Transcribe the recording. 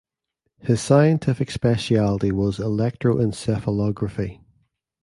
His scientific specialty was electroencephalography.